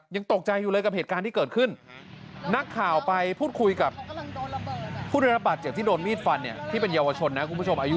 ยังตกใจอยู่เลยกับเหตุการณ์ที่เกิดขึ้นนักข่าวไปพูดคุยกับผู้ได้รับบาดเจ็บที่โดนมีดฟันเนี่ยที่เป็นเยาวชนนะคุณผู้ชมอายุ